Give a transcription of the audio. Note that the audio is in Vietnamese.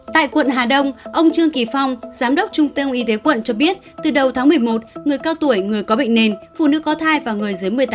tại quận hà đông ông trương kỳ phong giám đốc trung tâm y tế quận cho biết từ đầu tháng một mươi một người cao tuổi người có bệnh nền phụ nữ có thai và người dưới một mươi tám